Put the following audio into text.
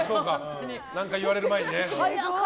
何か言われる前にね。